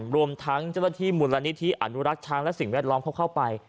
กลุ่มทั้งเจ้าหน้าที่มุรณิทริย์อนุรักษณ์ช้างและสิ่งแวดร้องเข้าไป